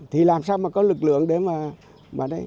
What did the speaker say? thì làm sao mà có lực lượng để mà